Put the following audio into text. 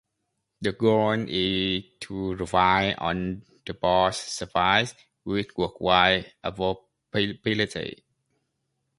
The goal is to provide on-the-spot service with worldwide availability.